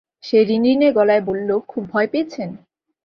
সে রিনারিনে গলায় বলল, খুব ভয় পেয়েছেন?